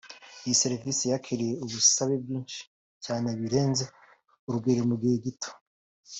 Iyo seriveri yakiriye ubusabe bwinshi cyane birenze urugero mu gihe gito